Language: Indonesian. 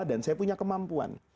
dan saya punya kemampuan